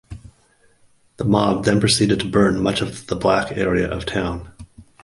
The mob then proceeded to burn much of the black area of town.